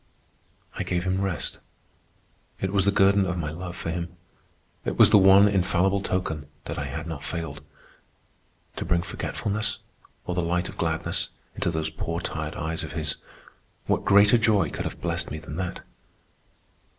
I gave him rest. It was the guerdon of my love for him. It was the one infallible token that I had not failed. To bring forgetfulness, or the light of gladness, into those poor tired eyes of his—what greater joy could have blessed me than that?